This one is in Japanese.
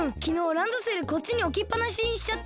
ランドセルこっちにおきっぱなしにしちゃって。